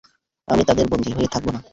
আমি ওদের বন্দী হয়ে থাকবো না।